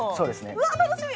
うわっ、楽しみ！